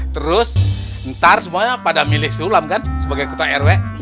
terus ntar semuanya pada milih sulam kan sebagai ketua rw